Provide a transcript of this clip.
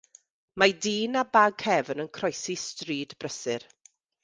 Mae dyn â bag cefn yn croesi stryd brysur.